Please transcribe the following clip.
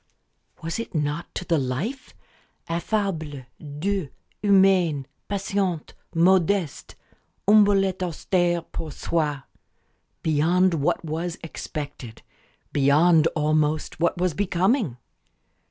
Was it not to the life? "Affable, doux, humain patient, modeste humble et austère pour soi" beyond what was expected, beyond, almost, what was becoming?